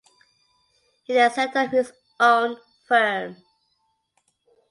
He then set up his own firm.